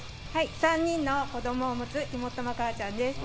３人の子供を持つ肝っ玉母ちゃんです。